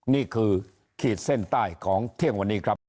ขีดเส้นใต้ของเที่ยงวันนี้ครับ